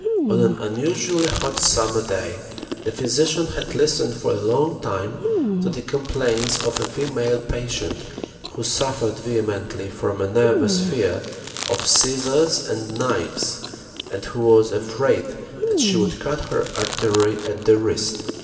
On an unusually hot summer day the physician had listened for a long time to the complaints of a female patient who suffered vehemently from a nervous fear of scissors and knives and who was afraid that she would cut her artery at the wrist.